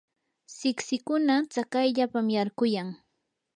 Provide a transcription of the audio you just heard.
siksikuna tsakayllapam yarquyan.